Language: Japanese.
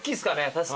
確かに。